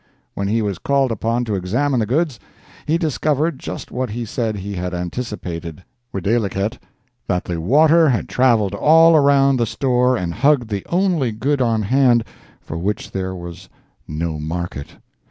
When he was called upon to examine the goods, he discovered just what he said he had anticipated, videlicet: that the water had travelled all around the store and hugged the only good on hand for which there was no market.